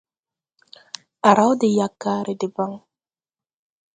A raw de yaggare debaŋ.